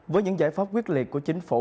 với những giải pháp quyết liệt của chính phủ